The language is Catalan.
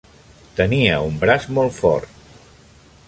Tenia un braç molt fort.